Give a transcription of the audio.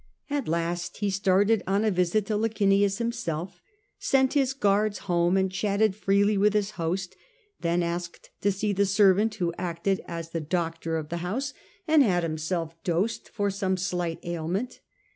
At last he started on a visit to Licinius him self, sent his guards home, and chatted freely with his host then asked to see the servant who acted as the A.l). I 2 The Age of the A ntonines, doctor of the house, and had himself dosed for some slight ailment.